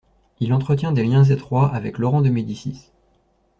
Il entretient des liens étroits avec Laurent de Médicis.